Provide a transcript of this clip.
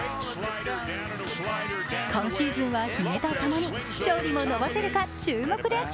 今シーズンはひげとともに勝利も伸ばせるか注目です。